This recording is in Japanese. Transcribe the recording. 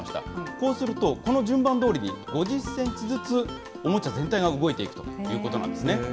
こうすると、この順番どおりに５０センチずつ、おもちゃ全体が動いていくということなんですね。